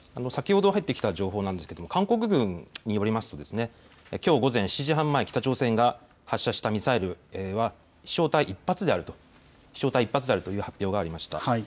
先ほど入ってきた情報ですが韓国軍によりますときょう午前７時半前に北朝鮮が発射したミサイルは飛しょう体１つであると発表がありました。